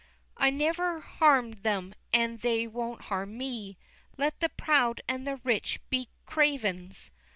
VI. "I never harm'd them, and they won't harm me: Let the proud and the rich be cravens!"